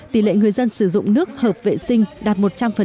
tỷ lệ người dân sử dụng nước hợp vệ sinh đạt một trăm linh